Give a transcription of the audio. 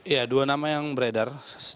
ya dua nama yang beredar